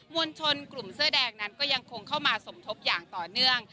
วลชนกลุ่มเสื้อแดงนั้นก็ยังคงเข้ามาสมทบอย่างต่อเนื่อง